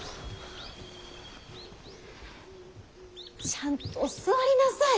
ちゃんとお座りなさい。